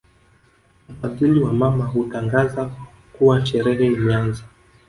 Mfadhili wa mama hutangaza kuwa sherehe imeanza